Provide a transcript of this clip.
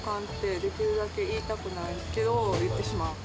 できるだけ言いたくないけど、言ってしまう。